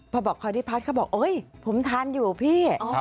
พอบอกคอร์ดี้พาร์ทเขาบอกเฮ้ยผมทานอยู่พี่